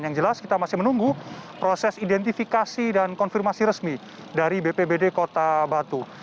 yang jelas kita masih menunggu proses identifikasi dan konfirmasi resmi dari bpbd kota batu